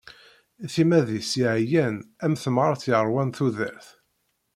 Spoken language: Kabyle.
Timmad-is yeɛyan am temɣart yeṛwan tudert.